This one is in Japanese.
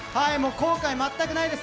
後悔、全くないです。